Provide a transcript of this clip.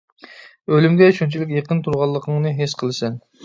ئۆلۈمگە شۇنچىلىك يېقىن تۇرغانلىقىڭنى ھېس قىلىسەن.